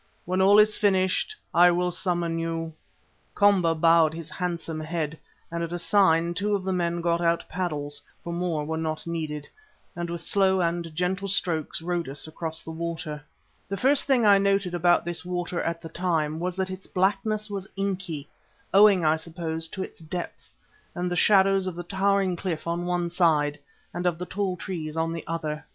When all is finished I will summon you." Komba bowed his handsome head and at a sign two of the men got out paddles, for more were not needed, and with slow and gentle strokes rowed us across the water. The first thing I noted about this water at the time was that its blackness was inky, owing, I suppose, to its depth and the shadows of the towering cliff on one side and of the tall trees on the other.